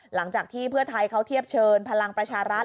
หลังจากที่เพื่อไทยเขาเทียบเชิญพลังประชารัฐ